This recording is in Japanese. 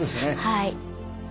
はい。